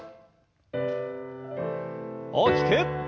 大きく。